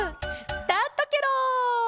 スタートケロ。